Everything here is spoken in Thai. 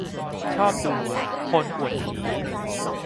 ชอบดู "คนอวดผี"